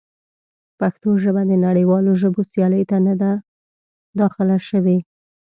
پښتو ژبه د نړیوالو ژبو سیالۍ ته نه ده داخله شوې.